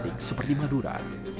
batik terbatik seperti madura